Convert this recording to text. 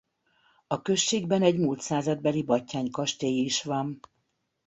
A községben egy mult századbeli Batthyány-kastély is van.